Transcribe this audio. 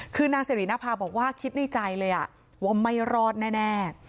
คือนางสิรินภาบอกว่าคิดในใจเลยว่าไม่รอดแน่